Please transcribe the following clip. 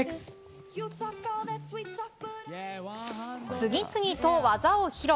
次々と技を披露。